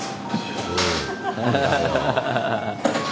ハハハハ。